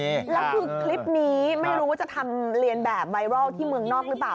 แล้วคือคลิปนี้ไม่รู้ว่าจะทำเรียนแบบไวรัลที่เมืองนอกหรือเปล่า